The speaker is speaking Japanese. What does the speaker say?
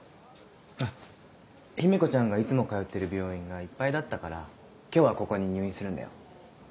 あっ姫子ちゃんがいつも通ってる病院がいっぱいだったから今日はここに入院するんだよ。